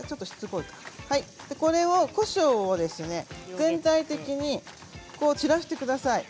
こしょうを全体的に散らしてください。